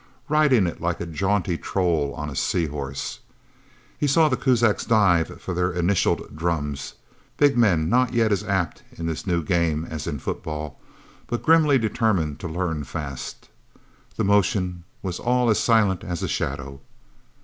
riding it like a jaunty troll on a seahorse. He saw the Kuzaks dive for their initialled drums, big men not yet as apt in this new game as in football, but grimly determined to learn fast. The motion was all as silent as a shadow.